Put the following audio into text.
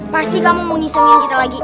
pasti kamu mau ngisengin kita lagi